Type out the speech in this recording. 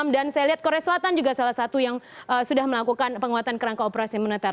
dan saya lihat korea selatan juga salah satu yang sudah melakukan penguatan kerangka operasi militer